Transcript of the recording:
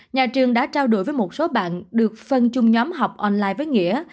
nhà trường đã trao đổi với một số bạn được phân chung nhóm học online với nghĩa